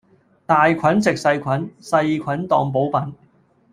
大菌食細菌，細菌當補品